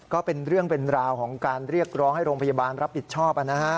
ก็เป็นเรื่องเป็นราวของการเรียกร้องให้โรงพยาบาลรับผิดชอบ